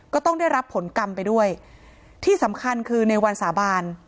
ก็ต้องได้รับผลกรรมไปด้วยที่สำคัญคือในวันสาบาน